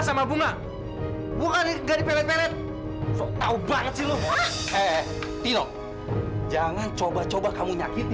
sampai jumpa di video selanjutnya